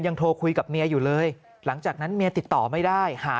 โทรคุยกับเมียอยู่เลยหลังจากนั้นเมียติดต่อไม่ได้หา